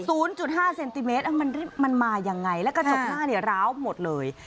จุดห้าเซนติเมตรมันมันมายังไงแล้วกระจกหน้าเนี่ยร้าวหมดเลย